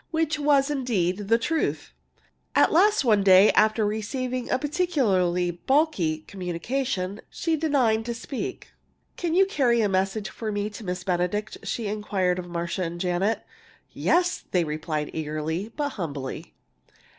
Which was indeed the truth! At last one day, after receiving a particularly bulky communication, she deigned to speak. "Can you carry a message for me to Miss Benedict?" she inquired of Marcia and Janet. "Yes!" they replied eagerly, but humbly.